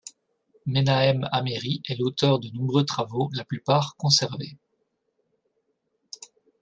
Menahem HaMeïri est l'auteur de nombreux travaux, la plupart conservés.